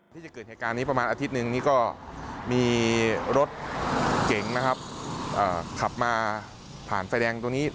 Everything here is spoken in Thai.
ที่จะเกิดแห่งการนี้ประมาณอาทิตย์นึงก็มีรถเก่งขับมาผ่านไฟแดงตรงนี้